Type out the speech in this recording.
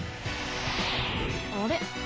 あれ？